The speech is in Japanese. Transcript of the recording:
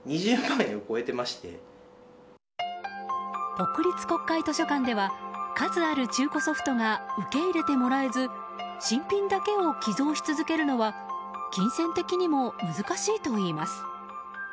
国立国会図書館では数ある中古ソフトが受け入れてもらえず新品だけを寄贈し続けるのは金銭的にも難しいといいます。